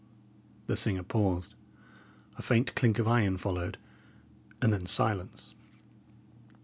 '" The singer paused, a faint clink of iron followed, and then silence.